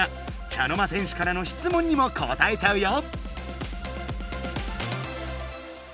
茶の間戦士からの質問にも答えちゃうよ！